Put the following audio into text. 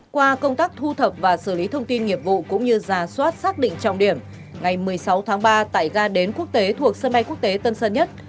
qua công tác thu thập và xử lý thông tin nghiệp vụ cũng như giả soát xác định trọng điểm ngày một mươi sáu tháng ba tại ga đến quốc tế thuộc sân bay quốc tế tân sơn nhất